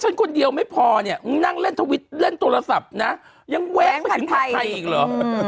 ฉันคนเดียวไม่พอเนี่ยนั่งเล่นทวิทย์เล่นโทรศัพท์นะยังแวะไปถึงใครอีกเหรอ